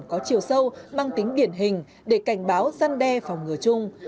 có chiều sâu mang tính điển hình để cảnh báo gian đe phòng ngừa chung